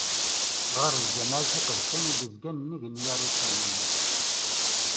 Ɣer lǧameɛ-ik iqedsen i d-izgan nnig n Yarucalim.